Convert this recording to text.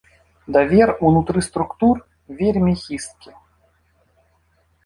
Давер унутры структур вельмі хісткі.